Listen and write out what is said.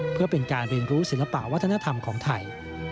เพื่อเป็นการเรียนรู้ศิลปะวัฒนธรรมของไทย